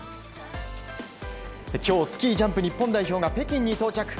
今日、スキージャンプ日本代表が北京に到着。